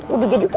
aku bisa dikutuk